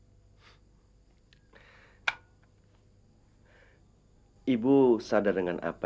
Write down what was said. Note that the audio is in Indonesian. saya tidak bisa berbicara dengan kamu